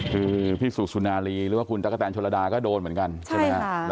คือพี่สุนารีหรือว่าคุณจักรแตนชนดาก็โดนเหมือนกันใช่ไหมครับใช่ล่ะ